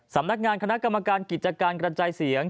สาร็านการณ์กรรจักรกรันจัยเสียง